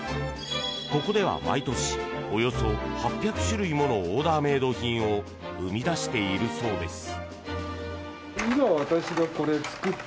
ここでは毎年およそ８００種類ものオーダーメイド品を生み出しているそうです。